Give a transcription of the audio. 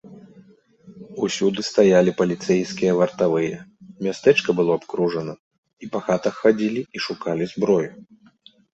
Усюды стаялі паліцэйскія вартавыя, мястэчка было абкружана, і па хатах хадзілі і шукалі зброю.